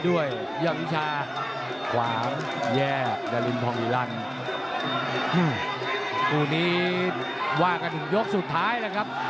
ว่าก็ถึงยกสุดท้ายแล้วครับ